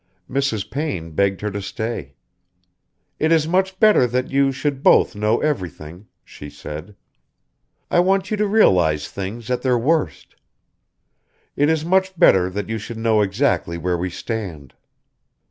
Mrs. Payne begged her to stay. "It is much better that you should both know everything," she said. "I want you to realise things at their worst. It is much better that you should know exactly where we stand."